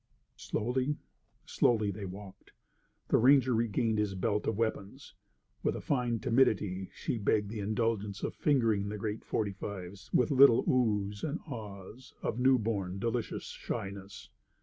Slowly, slowly they walked. The ranger regained his belt of weapons. With a fine timidity she begged the indulgence of fingering the great .45's, with little "Ohs" and "Ahs" of new born, delicious shyness.